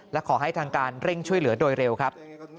และขอให้ทางการเร่งช่วยเหลือโดยเร็วครับ